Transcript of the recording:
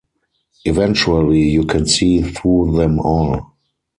Eventually you can see through them all.